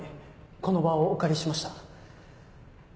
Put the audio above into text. この場をお借りしました。